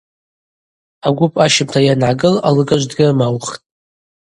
Агвып ащымта йангӏагыл алыгажв дгьырмаухтӏ.